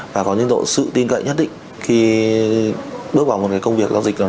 và có những độ sự tin cậy nhất định khi bước vào một công việc giao dịch nào đấy